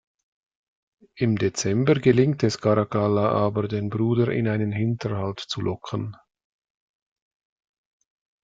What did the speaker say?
Im Dezember gelingt es Caracalla aber, den Bruder in einen Hinterhalt zu locken.